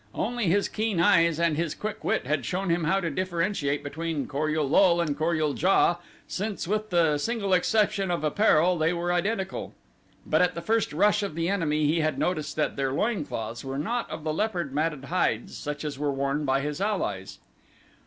Only his keen eyes and his quick wit had shown him how to differentiate between Kor ul lul and Kor ul JA since with the single exception of apparel they were identical, but at the first rush of the enemy he had noticed that their loin cloths were not of the leopard matted hides such as were worn by his allies.